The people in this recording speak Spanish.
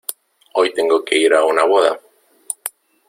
Hoy tengo que ir a una boda.